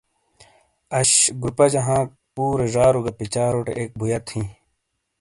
اش گروپہ جہ ہانک پورے ڙارو کا پچاروٹے ایک بویت ہی۔